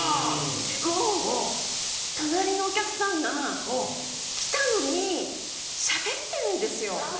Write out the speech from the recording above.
でも隣のお客さんが来たのにしゃべってるんですよ。